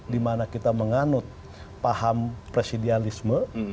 dimana kita menganut paham presidialisme